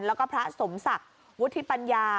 แล้วก็พระสมศักดิ์วุฒิปัญญา